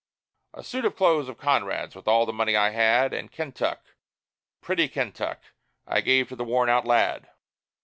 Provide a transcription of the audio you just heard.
A suit of clothes of Conrad's, with all the money I had, And Kentuck, pretty Kentuck, I gave to the worn out lad.